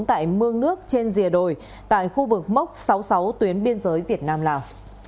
tại mương nước trên rìa đồi tại khu vực mốc sáu mươi sáu tuyến biên giới việt nam lào